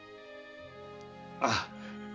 ああ。